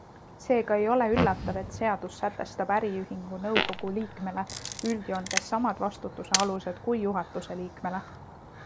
Seega ei ole üllatav, et seadus sätestab äriühingu nõukogu liikmele üldjoontes samad vastutuse alused kui juhatuse liikmele.